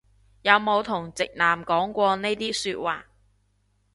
有冇同直男講過呢啲説話